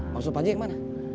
maksud pakji yang mana